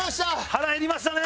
腹減りましたね。